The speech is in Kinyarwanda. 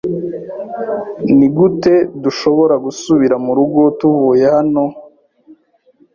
Nigute dushobora gusubira murugo tuvuye hano?